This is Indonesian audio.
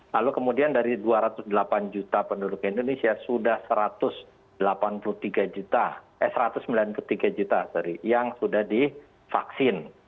lalu kemudian dari dua ratus delapan juta penduduk indonesia sudah satu ratus sembilan puluh tiga juta yang sudah divaksin